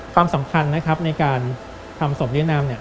ความสำคัญในการทำศพเลี่ยงนำเนี่ย